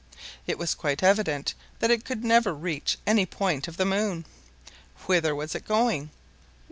It was quite evident that it could never reach any point of the moon. Whither was it going?